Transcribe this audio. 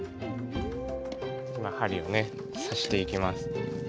今針をね刺していきます。